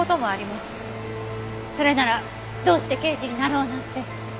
それならどうして刑事になろうなんて。